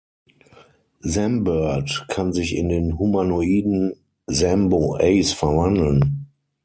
Zambird kann sich in den Humanoiden Zambo Ace verwandeln.